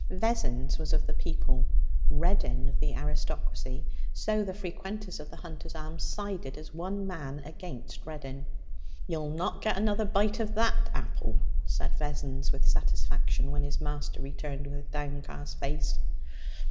Vessons was of the people, Reddin of the aristocracy, so the frequenters of the Hunter's Arms sided as one man against Reddin. 'You'll not get another bite of that apple,' said Vessons with satisfaction, when his master returned with downcast face.